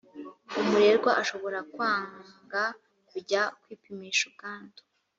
umurerwa ashobora kwanga kujya kwipimisha ubwandu